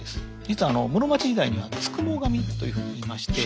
実はあの室町時代には「付喪神」というふうにいいまして。